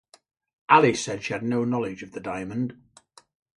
Alice said she no knowledge of the diamond.